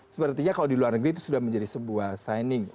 sepertinya kalau di luar negeri itu sudah menjadi sebuah signing